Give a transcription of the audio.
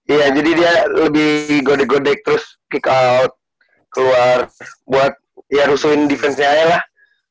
iya jadi dia lebih gode godek terus kick out keluar buat ya rusuhin defense saya lah